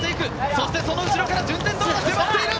そして、その後ろから順天堂が迫っている。